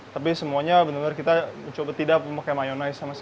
tapi semuanya benar benar kita coba tidak memakai mayonnaise